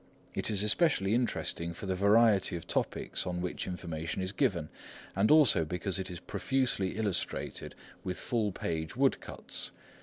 It is especially interesting for the variety of topics on which information is given, and also because it is profusely illustrated with full page woodcuts.